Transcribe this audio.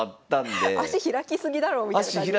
足開き過ぎだろうみたいな感じで。